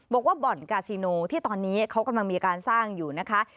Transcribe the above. บ่อนกาซิโนที่ตอนนี้เขากำลังมีการสร้างอยู่นะคะ